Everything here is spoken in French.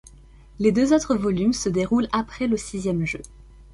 Les deux autres volumes se déroule après le sixième jeu.